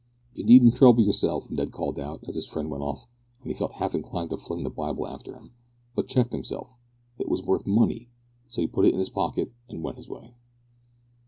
"You needn't trouble yourself," Ned called out as his friend went off; and he felt half inclined to fling the Bible after him, but checked himself. It was worth money! so he put it in his pocket and went his way.